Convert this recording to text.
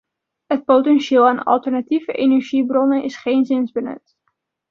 Het potentieel aan alternatieve energiebronnen is geenszins benut.